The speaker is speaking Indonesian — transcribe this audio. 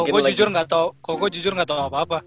kalau gue jujur gak tau apa apa